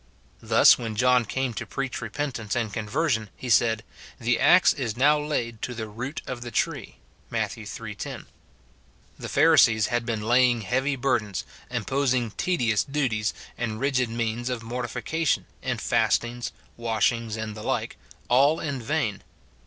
Thus, when John came to preach repentance and conversion, he said, " The axe is now laid to the root of the tree," Matt. iii. 10. The Pharisees had been laying heavy burdens, imposing tedious duties, and rigid means of mortification, in fastings, washings, and the like, all in vain.